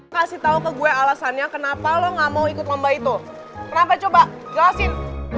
kasih tahu ke gue alasannya kenapa lo gak mau ikut lomba itu kenapa coba jelasin